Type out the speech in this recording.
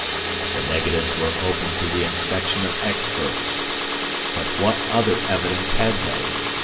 'The negatives were open to the inspection of experts. But what other evidence had they?